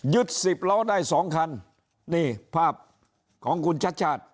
สิบล้อได้สองคันนี่ภาพของคุณชัดชาติ